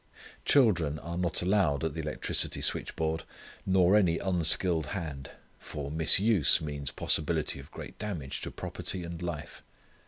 Children are not allowed at the electrical switchboard, nor any unskilled hand. For misuse means possibility of great damage to property and life.